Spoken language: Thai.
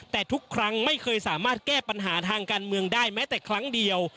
แต่ทุกครั้งไม่เคยสามารถแก้ปัญหาทางการเมืองได้แม้แต่ครั้งเดียว